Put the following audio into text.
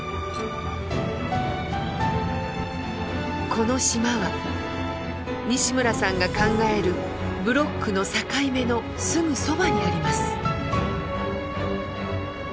この島は西村さんが考えるブロックの境目のすぐそばにあります。